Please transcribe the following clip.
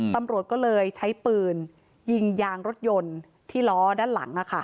ตำรวจก็เลยใช้ปืนยิงยางรถยนต์ที่ล้อด้านหลัง